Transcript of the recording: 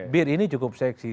bir ini cukup seksi